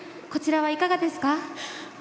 こちらはいかがですか？